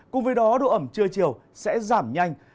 cùng với đó độ ẩm trưa chiều sẽ giảm nhanh